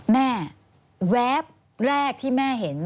แวบแรกที่แม่เห็น